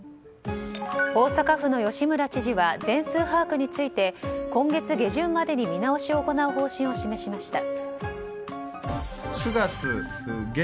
大阪府の吉村知事は全数把握について今月下旬までに見直しを行う方針を示しました。